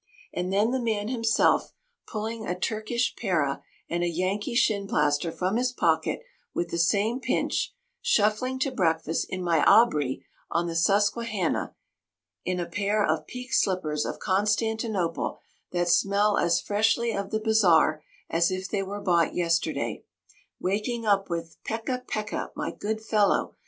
And then the man himself—pulling a Turkish para and a Yankee shin plaster from his pocket with the same pinch—shuffling to breakfast in my abri on the Susquehanna, in a pair of peaked slippers of Constantinople, that smell as freshly of the bazaar as if they were bought yesterday—waking up with "pekke! pekke! my good fellow!"